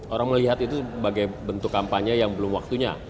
orang melihat itu sebagai bentuk kampanye yang belum waktunya